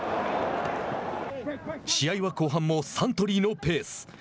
試合は後半もサントリーのペース。